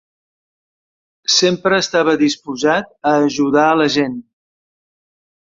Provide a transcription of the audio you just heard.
Sempre estava disposat a ajudar a la gent.